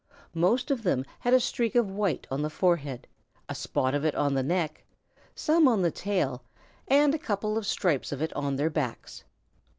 Most of them had a streak of white on the forehead, a spot of it on the neck, some on the tail, and a couple of stripes of it on their backs.